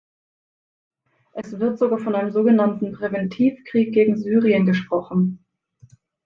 Es wird sogar von einem sogenannten Präventivkrieg gegen Syrien gesprochen.